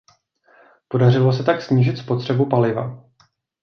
Podařilo se tak snížit spotřebu paliva.